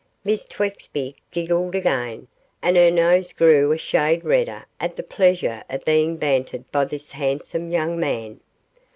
Miss Twexby giggled again, and her nose grew a shade redder at the pleasure of being bantered by this handsome young man.